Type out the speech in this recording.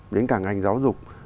đến cả ngành giáo dục